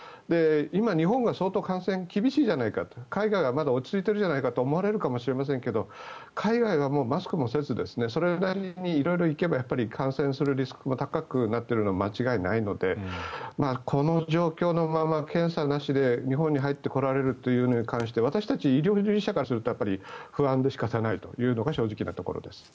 今、日本が相当、感染が厳しいじゃないか海外はまだ落ち着いているじゃないかと思われるかもしれますが海外はもうマスクもせずにそれなりに色々行けばやっぱり感染するリスクも高くなっているのは間違いないのでこの状況のまま、検査なしで日本に入ってこられるというようなことに関して私たち医療従事者からしてみたらやっぱり不安で仕方がないというのが正直なところです。